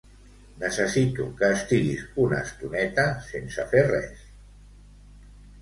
Necessito que estiguis una estoneta sense fer res.